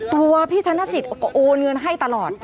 ตัวพี่ธนสิทธิ์ก็โอนเงินให้ตลอด